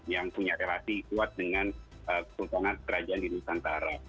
yang punya relasi kuat dengan kehutanan kerajaan di nusantara